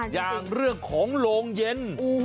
อย่างเรื่องของโรงเย็น